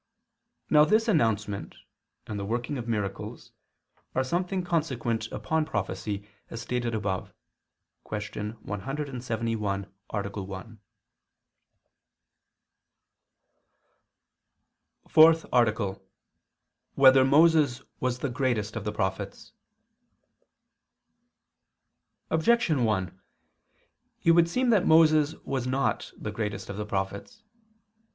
Now this announcement, and the working of miracles, are something consequent upon prophecy, as stated above (Q. 171, A. 1). _______________________ FOURTH ARTICLE [II II, Q. 174, Art. 4] Whether Moses Was the Greatest of the Prophets? Objection 1: It would seem that Moses was not the greatest of the prophets.